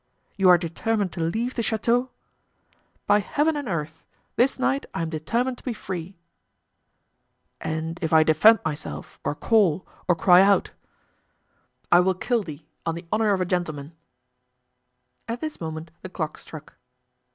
"You are determined to leave the chateau?" "By Heaven and earth! This night I am determined to be free." "And if I defend myself, or call, or cry out?" "I will kill thee, on the honor of a gentleman." At this moment the clock struck.